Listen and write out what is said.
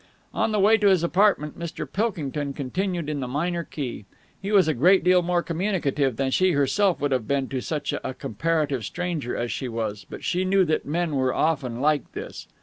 On the way to his apartment Mr. Pilkington continued in the minor key. He was a great deal more communicative than she herself would have been to such a comparative stranger as she was, but she knew that men were often like this.